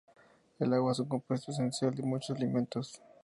El agua es un compuesto esencial de muchos alimentos.